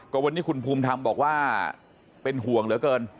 วันนี้คุณภูมิธรรมบอกว่าเป็นห่วงเหลือเกิน